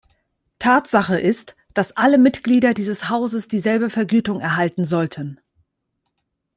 Tatsache ist, dass alle Mitglieder dieses Hauses dieselbe Vergütung erhalten sollten.